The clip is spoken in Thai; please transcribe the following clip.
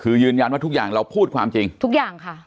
คือยืนยันว่าทุกอย่างเราพูดความจริงทุกอย่างค่ะ